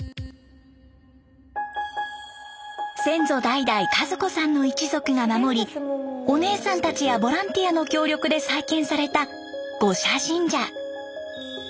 先祖代々和子さんの一族が守りお姉さんたちやボランティアの協力で再建された五社神社。